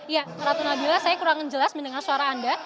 ya ratu nabila saya kurang jelas mendengar suara anda